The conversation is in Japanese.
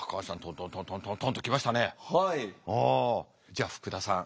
じゃあ福田さん。